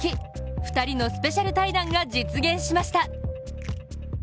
２人のスペシャル対談が実現しました。